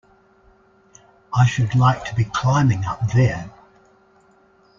I should like to be climbing up there!